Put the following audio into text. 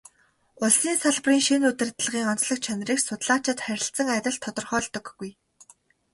Улсын салбарын шинэ удирдлагын онцлог чанарыг судлаачид харилцан адил тодорхойлдоггүй.